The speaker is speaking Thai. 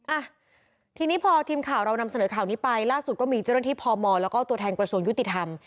อ่ะทีนี้พอทีมข่าวเรานำเสนอข่าวนี้ไปล่าสุดก็มีเจ้าหน้าที่พมแล้วก็ตัวแทนกระทรวงยุติธรรม